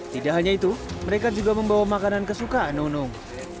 tidak hanya itu mereka juga membawa makanan kesukaan nunung